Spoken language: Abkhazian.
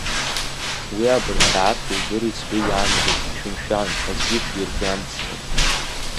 Уи абырсааҭк илдырит сгәы иаанагаз, шәымшәан, аӡәгьы шәиргәамҵӡом.